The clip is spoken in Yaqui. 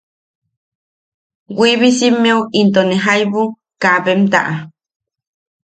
Wiibisimmeu into ne jaibu kaabem taʼa.